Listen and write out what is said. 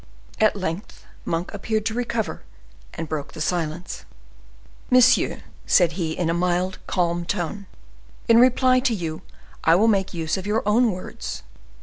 At length Monk appeared to recover, and broke the silence. "Monsieur," said he, in a mild, calm tone, "in reply to you, I will make use of your own words.